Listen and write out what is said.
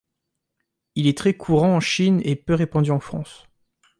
Il est très courant en Chine et peu répandu en France.